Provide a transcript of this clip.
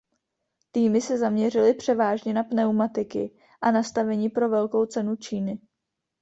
Týmy se zaměřily převážně na pneumatiky a nastavení pro Velkou cenu Číny.